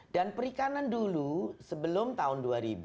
dan perikanan dulu sebelum tahun dua ribu